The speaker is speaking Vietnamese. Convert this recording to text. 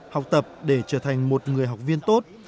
học tập để trở thành một người học viên tốt